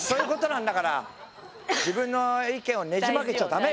自分の意見をねじ曲げちゃダメ。